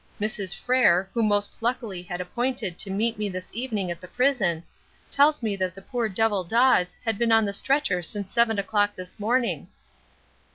"Mrs. Frere, who most luckily had appointed to meet me this evening at the prison, tells me that the poor devil Dawes had been on the stretcher since seven o'clock this morning."